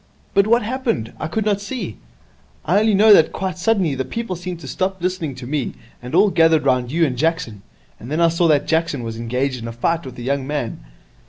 'But what happened? I could not see. I only know that quite suddenly the people seemed to stop listening to me, and all gathered round you and Jackson. And then I saw that Jackson was engaged in a fight with a young man.'